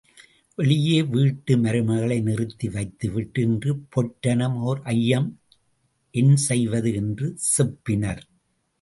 வெளியே வீட்டு மருமகளை நிறுத்தி வைத்து விட்டு இன்று பெற்றனம் ஒர் ஐயம் என் செய்வது? என்று செப்பினர்.